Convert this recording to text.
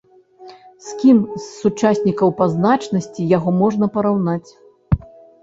З кім з сучаснікаў па значнасці яго можна параўнаць?